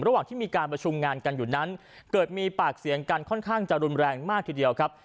ระหว่างที่มีการประชุมงานกันอยู่นั้นเกิดมีปากเสียงกันค่อนข้างจะรุนแรงมากทีเดียวครับ